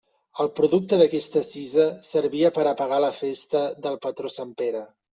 El producte d'aquesta cisa servia per a pagar la festa del patró sant Pere.